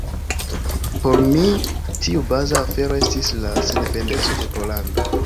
Por mi tiu baza afero estis la sendependeco de Pollando.